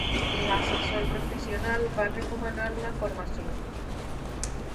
L'assessor professional va recomanar una formació.